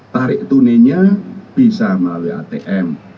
tarik tune nya bisa melalui atm